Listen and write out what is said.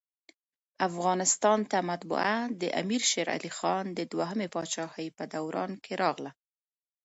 افغانستان ته مطبعه دامیر شېرعلي خان د دوهمي پاچاهۍ په دوران کي راغله.